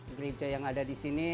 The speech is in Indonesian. gereja yang ada di sini